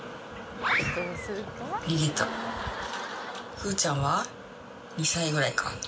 くーちゃんは２歳ぐらいか。